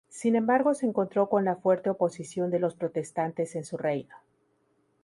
Sin embargo se encontró con la fuerte oposición de los protestantes en su reino.